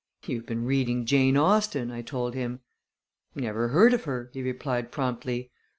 "You've been reading Jane Austen," I told him. "Never heard of her," he replied promptly.